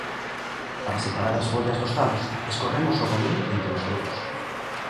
Para separar as follas dos talos, escorremos o romeu entre os dedos.